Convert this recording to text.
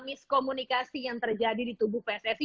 miskomunikasi yang terjadi di tubuh pssi